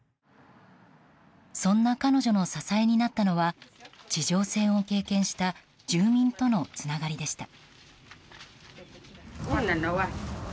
そんな彼女の支えになったのは地上戦を経験した住民とのつながりでした。